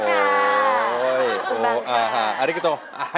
ขอบคุณบังค่ะอาริกาโต